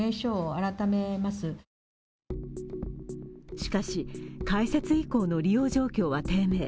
しかし、開設以降の利用状況は低迷。